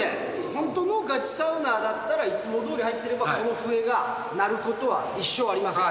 本当のガチサウナーだったら、いつもどおり入ってれば、この笛が鳴ることは一生ありません。